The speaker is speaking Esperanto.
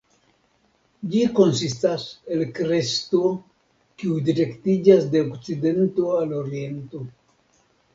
Ĝi konsistas el kresto kiu direktiĝas de okcidento al oriento.